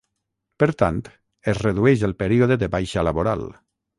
Per tant, es redueix el període de baixa laboral.